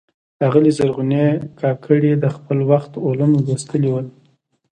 آغلي زرغونې کاکړي د خپل وخت علوم لوستلي ول.